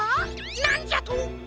なんじゃと？